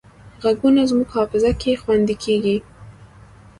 غږونه زموږ حافظه کې خوندي کېږي